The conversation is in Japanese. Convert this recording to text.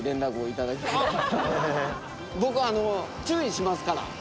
僕あの注意しますから。